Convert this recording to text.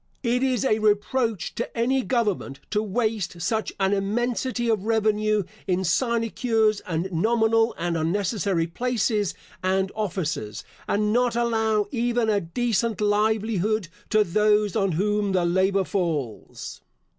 It is a reproach to any government to waste such an immensity of revenue in sinecures and nominal and unnecessary places and officers, and not allow even a decent livelihood to those on whom the labour falls.